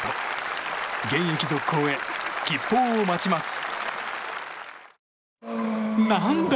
現役続行へ、吉報を待ちます。